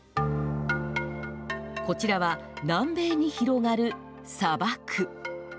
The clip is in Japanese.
こちらは南米に広がる砂漠。